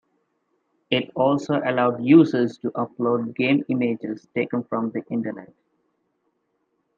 It also allowed users to upload game images taken from the Internet.